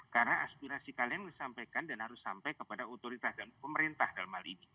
karena aspirasi kalian disampaikan dan harus sampai kepada otoritas dan pemerintah dalam hal ini